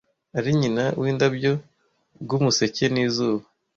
ari nyina windabyo bwumuseke nizuba